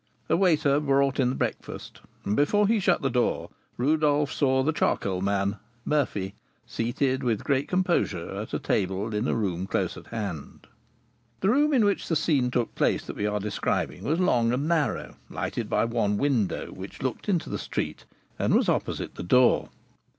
A waiter brought in the breakfast, and before he shut the door Rodolph saw the charcoal man, Murphy, seated with great composure at a table in a room close at hand. The room in which the scene took place that we are describing was long and narrow, lighted by one window, which looked into the street, and was opposite to the door.